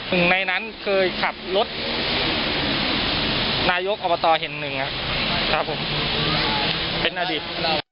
หนึ่งในนั้นเคยขับรถนายกอบตแห่งหนึ่งครับผมเป็นอดีต